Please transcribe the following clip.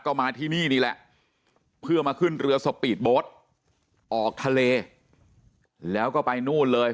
ก็มาที่นี่นี่แหละเพื่อมาขึ้นเรือสปีดโบ๊ทออกทะเลแล้วก็ไปนู่นเลย